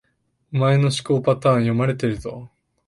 お前の思考パターン、読まれてるぞ